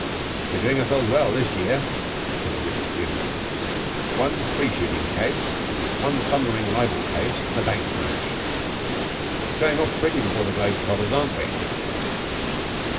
'We're doing ourselves well this year,' said a wit grimly. 'One free shooting case, one thundering libel case, and a bank smash. Showing off pretty before the globe trotters, aren't we?'